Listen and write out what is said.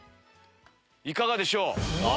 いかがでしょう？